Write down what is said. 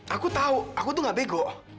aku tahu aku tuh gak bego